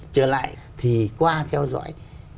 trở lại thì qua theo dõi